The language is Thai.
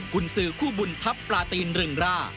หรือคู่บุญทัพปลาตีนเริ่มร่า